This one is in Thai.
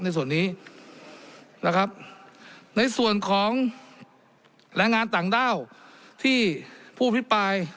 ในส่วนนี้นะครับในส่วนของแรงงานต่างด้าวที่ผู้อภิปราย